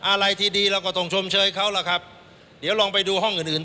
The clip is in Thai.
อะไรที่ดีเราก็ต้องชมเชยเขาล่ะครับเดี๋ยวลองไปดูห้องอื่นอื่น